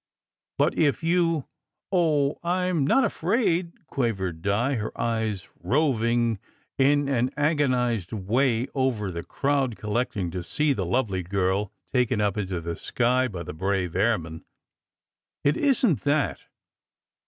" But if you " "Oh! I m not afraid," quavered Di, her eyes roving in an agonized way over the crowd collecting to see the lovely girl taken up into the sky by the brave airman. "It isn t "hat.